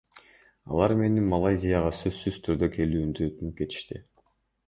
Алар мени Малайзияга сөзсүз түрдө келүүмдү өтүнүп кетишти.